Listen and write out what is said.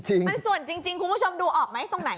มันส่วนจริงคุณผู้ชมดูออกไหมตรงไหน